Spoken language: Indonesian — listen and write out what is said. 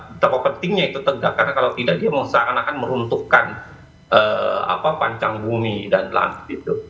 betapa pentingnya itu tegak karena kalau tidak dia akan meruntuhkan pancang bumi dan langit